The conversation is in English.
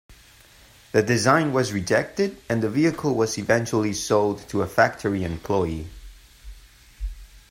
The design was rejected and the vehicle was eventually sold to a factory employee.